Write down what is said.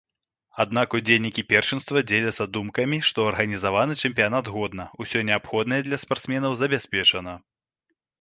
Аднак удзельнікі першынства дзеляцца думкамі, што арганізаваны чэмпіянат годна, усё неабходнае для спартсменаў забяспечана.